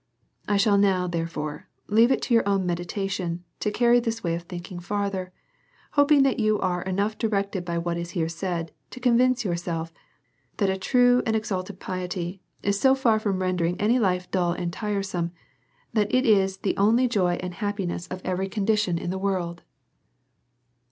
I shall now, therefore, leave it to your own medita tion to carry this way of thinking further, hoping that you are enough directed, by what is here said, to con vince yourself that a true and exalted piety is so far from rendering any life dull and tiresome, that it is the only joy and happiness of every condition in the world.